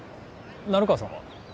成川さんは？